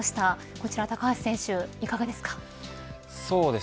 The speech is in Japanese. こちら高橋選手いかがですか。